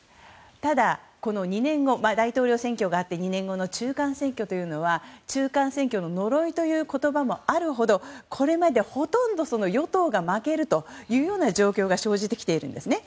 ただ、大統領選挙があって２年後の中間選挙というのは中間選挙の呪いという言葉もあるほどこれまでほとんど与党が負けるというような状況が生じてきているんですね。